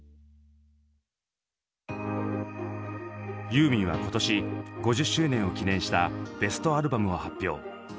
ユーミンは今年５０周年を記念したベストアルバムを発表。